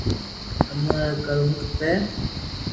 ايم ني ڪرووُ کپي